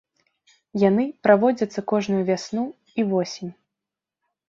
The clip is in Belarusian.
Яны праводзяцца кожную вясну і восень.